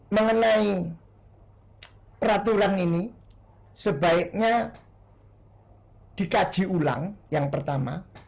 mengenai peraturan ini sebaiknya dikaji ulang yang pertama